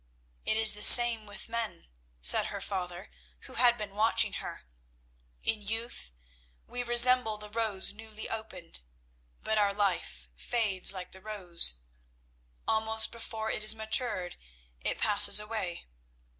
"It is the same with men," said her father, who had been watching her. "In youth we resemble the rose newly opened, but our life fades like the rose. Almost before it is matured, it passes away.